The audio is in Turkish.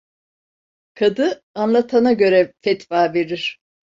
Kadı anlatana göre fetva verir.